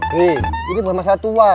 hei ini bukan masalah tua